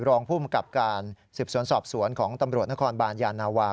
รองภูมิกับการสืบสวนสอบสวนของตำรวจนครบานยานาวา